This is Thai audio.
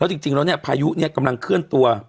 แล้วจริงจริงแล้วเนี้ยพายุเนี้ยกำลังเคลื่อนตัว